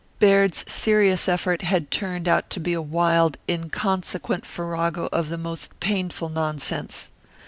Baird's serious effort had turned out to be a wild, inconsequent farrago of the most painful nonsense.